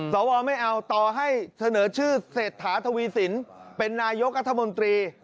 ศบไม่เอาต่อให้เสนอชื่อเศรษฐาทวีศิสตร์เป็นนายกรมศิลป์